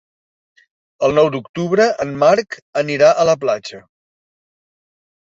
El nou d'octubre en Marc anirà a la platja.